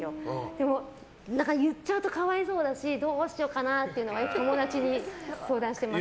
でも、言っちゃうと可哀想だしどうしようかなっていうのは友達に相談してます。